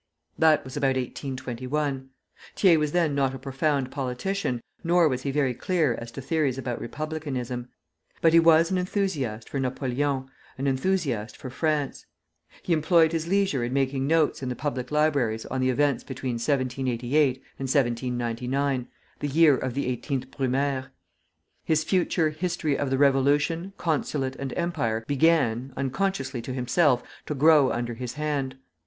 That was about 1821. Thiers was then not a profound politician, nor was he very clear as to theories about republicanism; but he was an enthusiast for Napoleon, an enthusiast for France. He employed his leisure in making notes in the public libraries on the events between 1788 and 1799, the year of the 18th Brumaire. His future History of the Revolution, Consulate, and Empire began, unconsciously to himself, to grow under his hand.